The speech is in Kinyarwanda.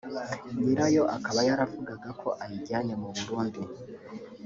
nyirayo akaba yaravugaga ko ayijyanye mu Burundi